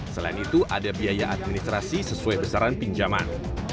selain itu ada biaya administrasi sesuai besaran pinjaman